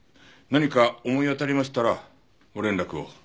何か思い当たりましたらご連絡を。